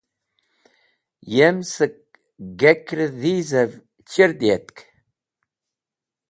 Yem sẽk gakrẽr dhizẽv chir diyetk.